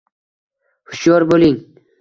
Hushyor bo’ling!